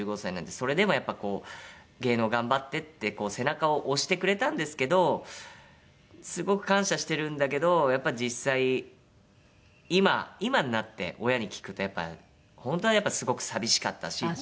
それでもやっぱこう芸能頑張ってって背中を押してくれたんですけどすごく感謝してるんだけどやっぱ実際今今になって親に聞くとやっぱ本当はすごく寂しかったしっていう。